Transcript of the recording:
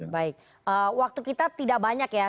baik waktu kita tidak banyak ya